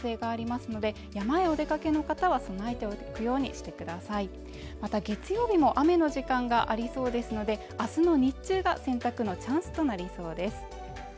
また月曜日も雨の時間がありそうですので明日の日中が洗濯のチャンスとなりそうです